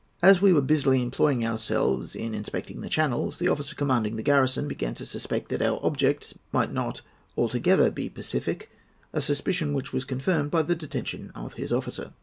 "As we were busily employing ourselves in inspecting the channels, the officer commanding the garrison began to suspect that our object might not altogether be pacific, a suspicion which was confirmed by the detention of his officer.